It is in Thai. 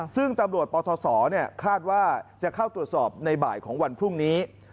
ซึ่งตำรวจปทศคาดว่าจะเข้าตรวจสอบในบ่ายของวันพรุ่งนี้